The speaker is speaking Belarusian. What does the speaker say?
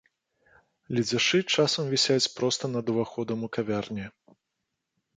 Ледзяшы часам вісяць проста над уваходам у кавярні.